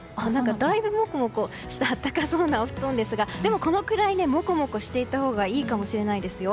だいぶもこもこした暖かそうな布団ですがでも、このくらいもこもこしていたほうがいいかもしれないですよ。